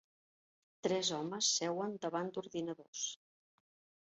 Tres homes seuen davant d'ordinadors.